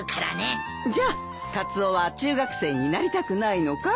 じゃあカツオは中学生になりたくないのかい？